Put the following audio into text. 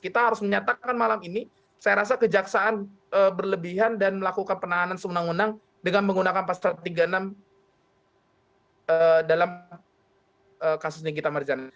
kita harus menyatakan malam ini saya rasa kejaksaan berlebihan dan melakukan penahanan semenang menang dengan menggunakan pasal tiga puluh enam dalam kasus nikita marijana